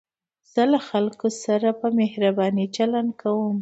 زه له خلکو سره په مهربانۍ چلند کوم.